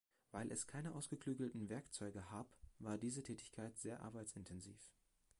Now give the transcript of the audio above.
Weil es keine ausgeklügelten Werkzeuge hab, war diese Tätigkeit sehr arbeitsintensiv.